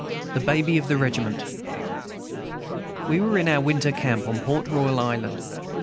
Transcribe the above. The Baby of the Regiment We were in our winter camp on Port Royal Island.